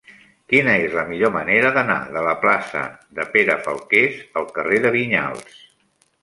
Quina és la millor manera d'anar de la plaça de Pere Falqués al carrer de Vinyals?